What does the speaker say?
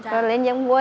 rồi lên dân vua